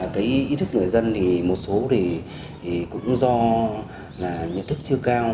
cái ý thức người dân thì một số thì cũng do là nhận thức chưa cao